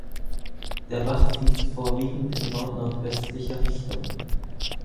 Der Bach fließt vorwiegend in nordnordöstlicher Richtung.